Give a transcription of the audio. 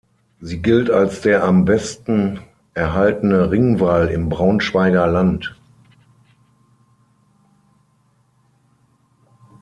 Sie gilt als der am besten erhaltene Ringwall im Braunschweiger Land.